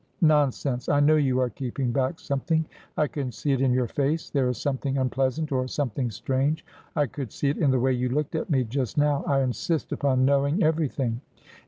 ' Nonsense. I know you are keeping back something ; I can see it in your face. There is something unpleasant — or some thing strange — I could see it in the way you looked at me just now. I insist upon knowing everything.'